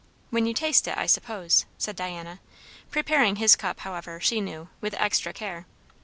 "When you taste it, I suppose," said Diana; preparing his cup, however, she knew, with extra care.